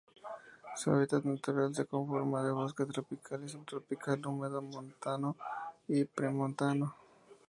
Su hábitat natural se conforma de bosque tropical y subtropical húmedo montano y premontano.